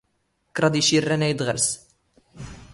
ⴽⵔⴰⴹ ⵉⵛⵉⵔⵔⴰⵏ ⴰⵢⴷ ⵖⵔⵙ.